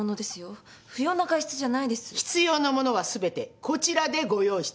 必要なものは全てこちらでご用意しております。